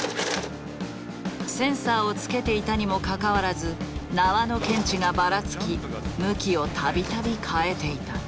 センサーをつけていたにもかかわらず縄の検知がばらつき向きをたびたび変えていた。